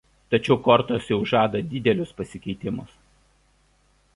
Tačiau kortos jau žada didelius pasikeitimus.